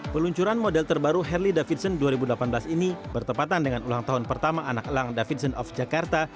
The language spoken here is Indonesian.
peluncuran model terbaru harley davidson dua ribu delapan belas ini bertepatan dengan ulang tahun pertama anak elang davidson of jakarta